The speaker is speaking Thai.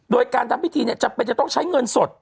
โดยการทำพิธีจำเป็นจะต้องใช้เงินสด